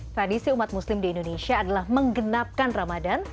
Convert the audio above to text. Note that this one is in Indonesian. tradisi umat muslim di indonesia adalah menggenapkan ramadan